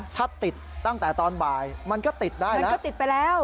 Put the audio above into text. ถ้าติดตั้งแต่ตอนบ่ายมันก็ติดได้แล้ว